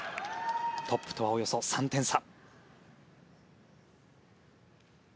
トップとはおよそ３点差。